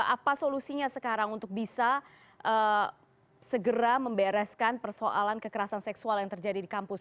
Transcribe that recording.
apa solusinya sekarang untuk bisa segera membereskan persoalan kekerasan seksual yang terjadi di kampus